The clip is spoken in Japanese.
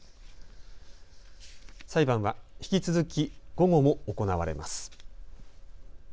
裁判は引き続き午後も行われます。